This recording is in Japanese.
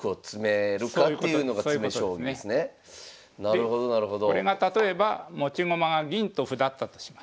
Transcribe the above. でこれが例えば持ち駒が銀と歩だったとします。